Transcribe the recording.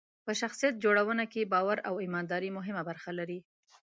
په شخصیت جوړونه کې باور او ایمانداري مهمه برخه لري.